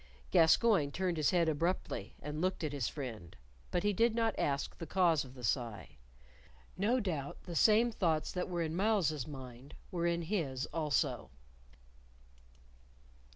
Gascoyne turned his head abruptly, and looked at his friend, but he did not ask the cause of the sigh. No doubt the same thoughts that were in Myles's mind were in his also.